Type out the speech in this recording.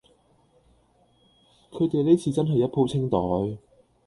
佢地呢次真係一鋪清袋